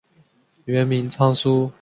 原名昌枢。